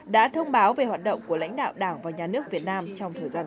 đã thông báo về hoạt động của lãnh đạo đảng và nhà nước việt nam trong thời gian tới